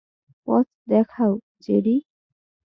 পথ দেখাও, জেরি।